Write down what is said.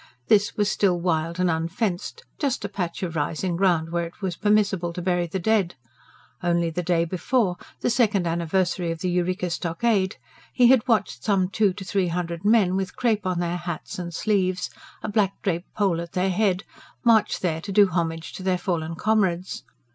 This was still wild and unfenced just a patch of rising ground where it was permissible to bury the dead. Only the day before the second anniversary of the Eureka Stockade he had watched some two to three hundred men, with crepe on their hats and sleeves, a black draped pole at their head, march there to do homage to their fallen comrades.